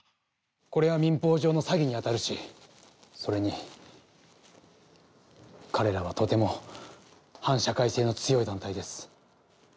これは民法上の詐欺に当たるしそれに彼らはとても反社会性の強い団体です。